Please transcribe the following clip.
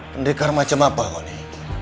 pendekar macam apa kau ini